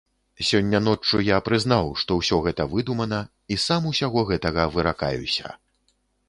Сягоння ноччу я прызнаў, што ўсё гэта выдумана, і сам усяго гэтага выракаюся.